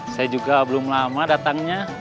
saya juga belum lama datangnya